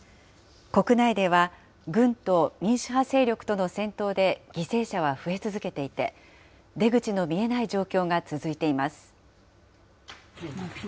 国内では軍と民主派勢力との戦闘で犠牲者は増え続けていて、出口の見えない状況が続いています。